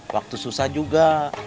waktu susah juga